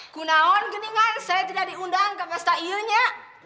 kunaon geningan saya tidak diundang ke pasta iya nya